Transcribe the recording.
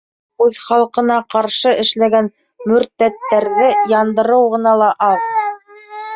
Үҙ халҡына ҡаршы эшләгән мөртәттәрҙе яндырыу ғына ла аҙ!